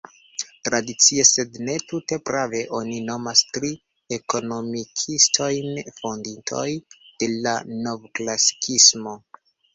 Tradicie, sed ne tute prave, oni nomas tri ekonomikistojn fondintoj de la novklasikismo.